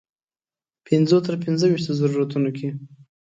پنځو تر پنځه ویشتو ضرورتونو کې.